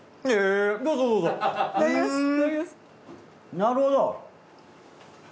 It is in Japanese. なるほど。